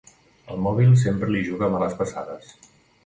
El mòbil sempre li juga males passades.